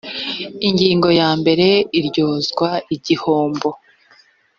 ingingo yambere uryozwa igihombo